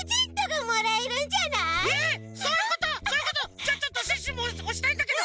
じゃあちょっとシュッシュもおしたいんだけど！